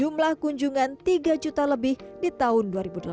jumlah kunjungan tiga juta lebih di tahun dua ribu delapan belas